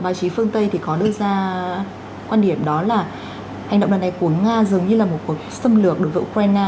báo chí phương tây thì có đưa ra quan điểm đó là hành động lần này của nga dường như là một cuộc xâm lược đối với ukraine